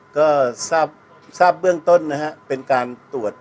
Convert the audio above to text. ก็ทราบเบื้องต้นนะฮะเป็นการตรวจ